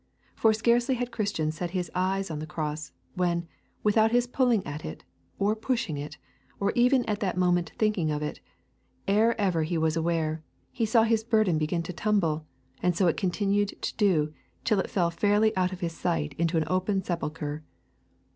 For scarcely had Christian set his eyes on the cross, when, without his pulling at it, or pushing it, or even at that moment thinking of it, ere ever he was aware, he saw his burden begin to tumble, and so it continued to do till it fell fairly out of his sight into an open sepulchre.